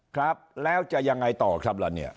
ครับแล้วจะยังไงต่อครับละเนี่ย